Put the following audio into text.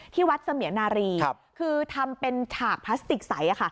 ที่วัดเสมียนารีคือทำเป็นฉากพลาสติกใส